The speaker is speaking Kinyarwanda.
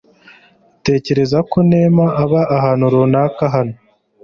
Ntekereza ko Nema aba ahantu runaka hano .